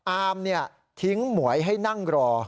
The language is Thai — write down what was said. อามทิ้งหมวยให้นั่งรอ